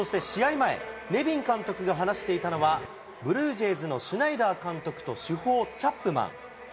前、ネビン監督が話していたのは、ブルージェイズのシュナイダー監督と主砲、チャップマン。